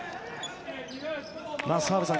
澤部さん